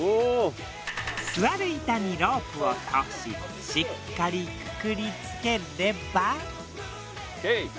座る板にロープを通ししっかりくくりつければ。